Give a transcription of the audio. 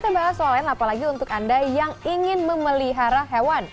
kita bahas soal lain apalagi untuk anda yang ingin memelihara hewan